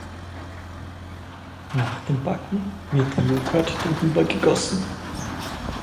Nach dem Backen wird der Joghurt darüber gegossen.